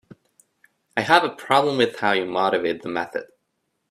I have a problem with how you motivate the method.